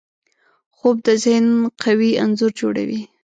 خوب د ذهن قوي انځور جوړوي